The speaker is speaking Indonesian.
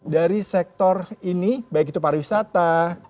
dari sektor ini baik itu para wisata